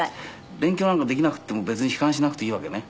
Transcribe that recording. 勉強なんかできなくても別に悲観しなくていいわけね。